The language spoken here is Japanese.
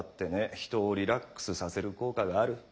人をリラックスさせる効果がある。